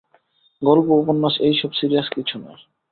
গল্প উপন্যাস এইসব, সিরিয়াস কিছু নয়।